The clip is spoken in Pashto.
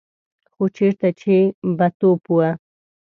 خو چېرته چې به توپ و.